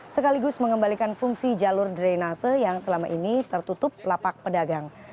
sekaligus mengembalikan fungsi jalur drainase yang selama ini tertutup lapak pedagang